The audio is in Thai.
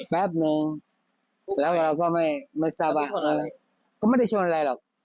แป๊บนึงแล้วเราก็ไม่ไม่สามารถก็ไม่ได้ชวนอะไรหรอก